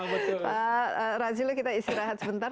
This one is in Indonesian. pak raziello kita istirahat sebentar